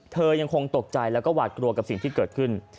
ยังคงตกใจแล้วก็หวาดกลัวกับสิ่งที่เกิดขึ้น